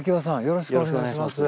よろしくお願いします。